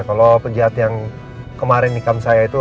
kalau penjahat yang kemarin nikam saya itu